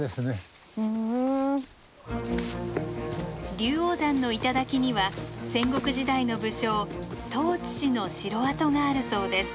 龍王山の頂には戦国時代の武将十市氏の城跡があるそうです。